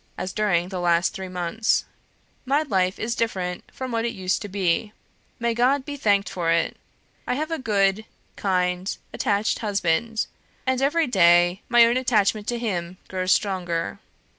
as during the last three months. My life is different from what it used to be. May God make me thankful for it! I have a good, kind, attached husband; and every day my own attachment to him grows stronger."